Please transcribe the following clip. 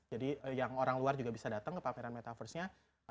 jadi yang orang luar juga bisa datang ke pameran metaverse nya